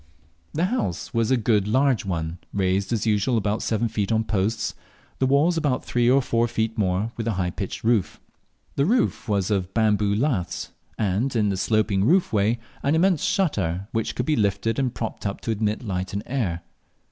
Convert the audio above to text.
The house was a good large one, raised as usual about seven feet on posts, the walls about three or four feet more, with a high pitched roof. The floor was of bamboo laths, and in the sloping roof way an immense shutter, which could be lifted and propped up to admit light and air.